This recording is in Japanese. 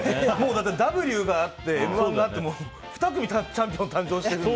Ｗがあって「Ｍ‐１」があって２組チャンピオンが誕生しているので。